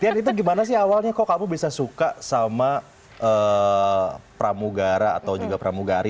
tian itu gimana sih awalnya kok kamu bisa suka sama pramugara atau juga pramugari